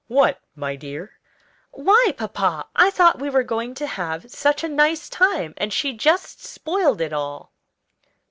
"What, my dear?" "Why, papa, I thought we were going to have such a nice time, and she just spoiled it all."